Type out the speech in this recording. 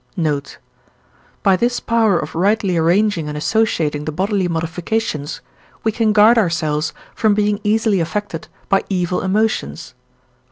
Note. By this power of rightly arranging and associating the bodily modifications we can guard ourselves from being easily affected by evil emotions.